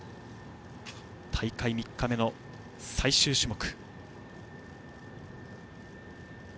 大会３日目、最終種目。